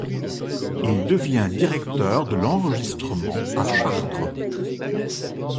Il devient directeur de l'enregistrement à Chartres.